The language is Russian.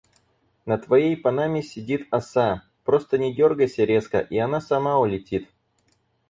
На твоей панаме сидит оса. Просто не дёргайся резко и она сама улетит.